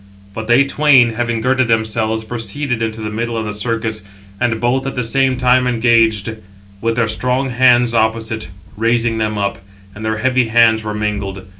But they twain, having girded themselves, proceeded into the middle of the circus, and both at the same time engaged, with their strong hands opposite, raising [them up], and their heavy hands were mingled.